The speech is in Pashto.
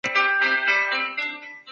حاکمانو دا کړني په پټه توګه ترسره کړي.